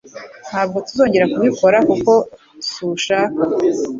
Ntabwo tuzongera kubikora kuko sushaka.